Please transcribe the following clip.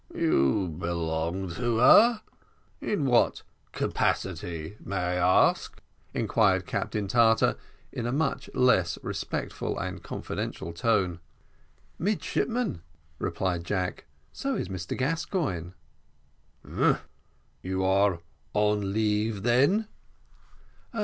"You belong to her! in what capacity may I ask?" inquired Captain Tartar, in a much less respectful and confidential tone. "Midshipman," replied Jack; "so is Mr Gascoigne." "Umph! you are on leave then."